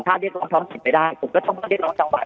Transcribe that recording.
ถ้าเรียกร้องท้องถิ่นไม่ได้ผมก็ต้องเรียกร้องจังหวัด